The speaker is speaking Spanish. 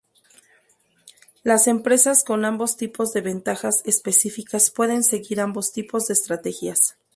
Las empresas con ambos tipos de ventajas específicas pueden seguir ambos tipos de estrategias.